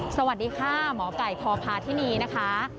สวัสดีค่ะหมอไก่พพาธินีนะคะ